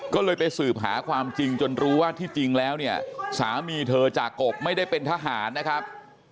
ก็เลยไปสืบหาความจริงจนรู้ว่าที่จริงแล้วเนี่ยสามีเธอจากกบไม่ได้เป็นทหารนะครับ